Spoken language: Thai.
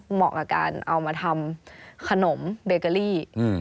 เหมาะกับการเอามาทำขนมเบเกอรี่